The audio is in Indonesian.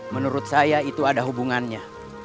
menurut saya itu ada hubungannya